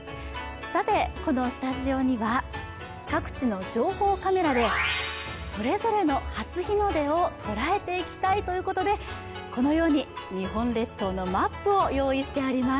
このスタジオには各地の情報カメラでそれぞれの初日の出を捉えていきたいということでこのように日本列島のマップを用意してあります。